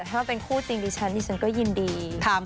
แต่ถ้าเป็นคู่จิ้นดิฉันดิฉันก็ยินดี